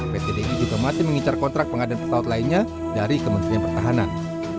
pt dikantara indonesia juga masih mengicar kontrak pengadaan pesawat lainnya dari kementerian pertahanan